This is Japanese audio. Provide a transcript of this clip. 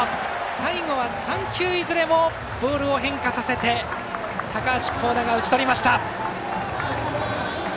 最後は、３球いずれもボールを変化させて高橋光成が打ち取りました。